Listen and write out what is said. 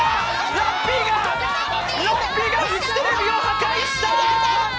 ラッピーがフジテレビを破壊した。